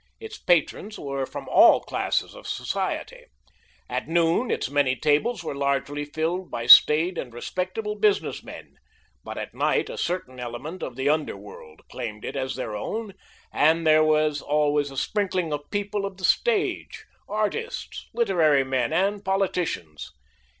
Its patrons were from all classes of society. At noon its many tables were largely filled by staid and respectable business men, but at night a certain element of the underworld claimed it as their own, and there was always a sprinkling of people of the stage, artists, literary men and politicians.